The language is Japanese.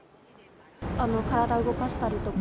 体動かしたりとか。